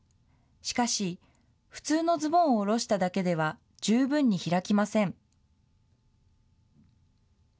しかし、普通のズボンを下ろしただけでは、十分に開きません。